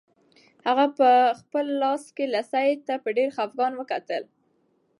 هغه په خپل لاس کې لسی ته په ډېر خپګان وکتل.